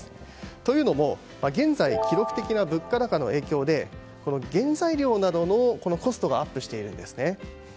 というのも現在の記録的な物価高の影響で原材料などのコストがアップしているんですね。